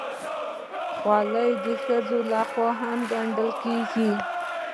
خولۍ د ښځو لخوا هم ګنډل کېږي.